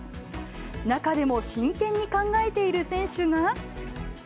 中でも真剣に考えている選手が。